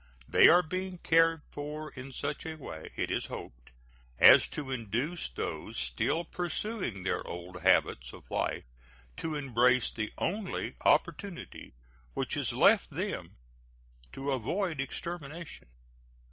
They are being cared for in such a way, it is hoped, as to induce those still pursuing their old habits of life to embrace the only opportunity which is left them to avoid extermination.